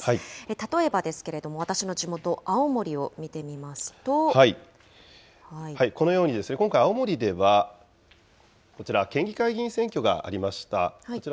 例えばですけれども、私の地元、このように今回、青森ではこちら、県議会議員選挙がありました。